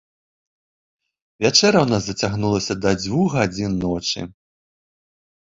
Вячэра ў нас зацягнулася да дзвюх гадзін ночы.